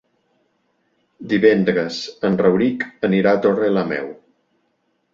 Divendres en Rauric anirà a Torrelameu.